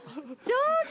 上手。